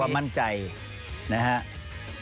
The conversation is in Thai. แม่ว่าความมั่นใจนะครับ